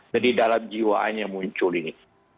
jadi dalam jiwaannya muncul ini